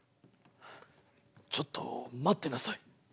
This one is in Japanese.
ちょっと待ってなさい。